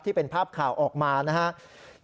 ที่เป็นภาพข่าวออกมานะครับ